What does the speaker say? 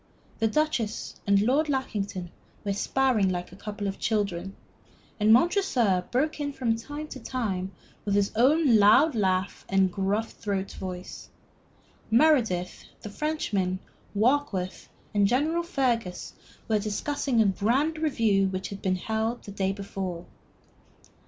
The Duchess and Lord Lackington were sparring like a couple of children, and Montresor broke in from time to time with his loud laugh and gruff throat voice. Meredith, the Frenchman, Warkworth, and General Fergus were discussing a grand review which had been held the day before.